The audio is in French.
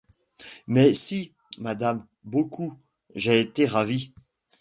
Mais si, madame, beaucoup, j’ai été ravi.